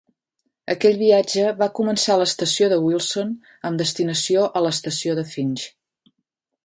Aquell viatge va començar a l'estació de Wilson amb destinació a l'estació de Finch.